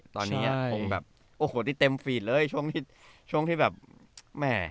ตอนนี้ผมแบบโอ้โหที่เต็มฟีดเลยช่วงที่แบบแหม่